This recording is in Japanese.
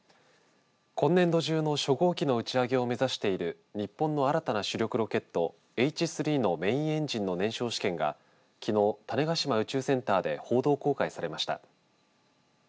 今年度中の初号機の打ち上げを目指している日本の新たな主力ロケットＨ３のメインエンジンの燃焼試験がきのう、種子島宇宙センターで報道公開されました。